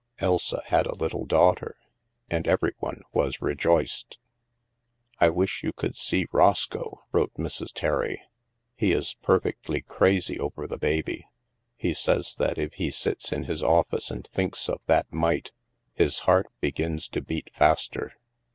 Elsa had a little daughter, and every one was rejoiced. I wish you could see Roscoe," wrote Mrs. Terry. He is perfectly crazy over the baby. He says that if he sits in his office and thinks of that mite, his heart begins to beat faster.